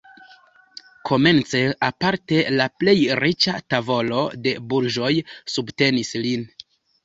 Komence aparte la plej riĉa tavolo de burĝoj subtenis lin.